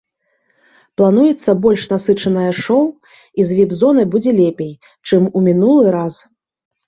Плануецца больш насычанае шоу і з віп-зонай будзе лепей, чым у мінулы раз.